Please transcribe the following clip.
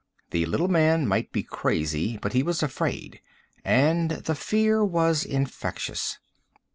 The little man might be crazy, but he was afraid. And the fear was infectious.